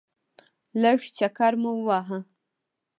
لږ چکر مو وواهه.